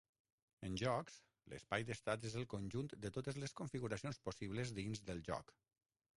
En jocs, l'espai d'estats és el conjunt de totes les configuracions possibles dins del joc.